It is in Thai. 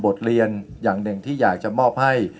เรียนอย่างหนึ่งที่อยากจะมอบให้